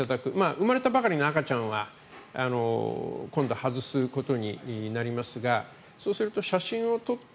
生まれたばかりの赤ちゃんは今度、外すことになりますがそうすると、写真を撮って